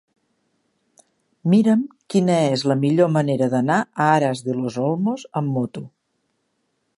Mira'm quina és la millor manera d'anar a Aras de los Olmos amb moto.